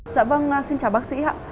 dạ vâng xin chào bác sĩ ạ